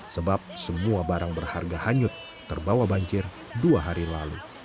sebab semua barang berharga hanyut terbawa banjir dua hari lalu